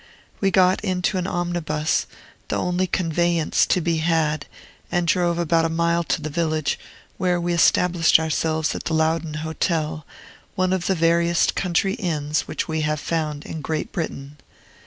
We got into an omnibus, the only conveyance to be had, and drove about a mile to the village, where we established ourselves at the Loudoun Hotel, one of the veriest country inns which we have found in Great Britain.